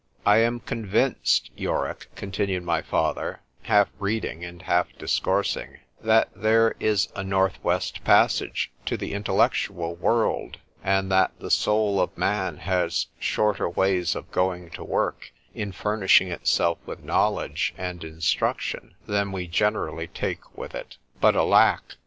I am convinced, Yorick, continued my father, half reading and half discoursing, that there is a North west passage to the intellectual world; and that the soul of man has shorter ways of going to work, in furnishing itself with knowledge and instruction, than we generally take with it.——But, alack!